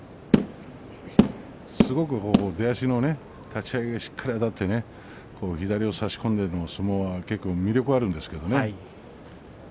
すごく、出足の立ち合いがしっかりあたって左を差し込んでの相撲は結構、魅力があるんですけどね。